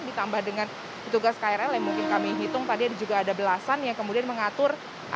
ditambah dengan petugas krl yang mungkin kami hitung tadi juga ada belasan yang kemudian mengatur